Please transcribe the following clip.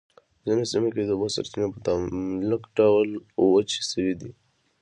ځینو سیمو کې د اوبو سرچېنې په مطلق ډول وچې شوی دي.